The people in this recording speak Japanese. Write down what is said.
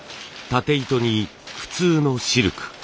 縦糸に普通のシルク。